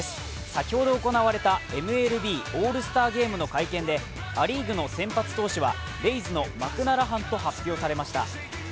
先ほど行われたＭＬＢオールスターゲームの会見でア・リーグの先発投手はレイズのマクナラハンと発表されました。